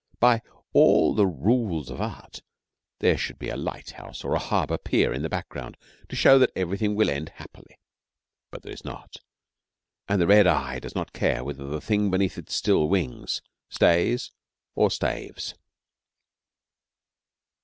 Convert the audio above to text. By all the rules of art there should be a lighthouse or a harbour pier in the background to show that everything will end happily. But there is not, and the red eye does not care whether the thing beneath its still wings stays or staves.